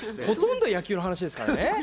ほとんど野球の話ですからね。